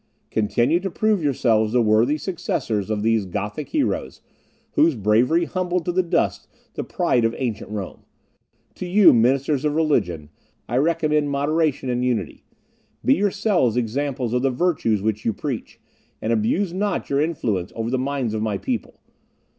Continue to prove yourselves the worthy successors of those Gothic heroes, whose bravery humbled to the dust the pride of ancient Rome. To you, ministers of religion, I recommend moderation and unity; be yourselves examples of the virtues which you preach, and abuse not your influence over the minds of my people.